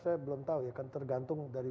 saya belum tahu ya kan tergantung dari